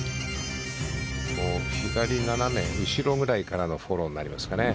左斜め後ろぐらいからのフォローになりますかね。